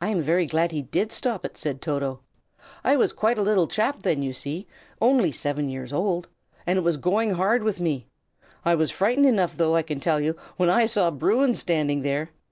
"I am very glad he did stop it," said Toto. "I was quite a little chap then, you see, only seven years old, and it was going hard with me. I was frightened enough, though, I can tell you, when I saw Bruin standing there.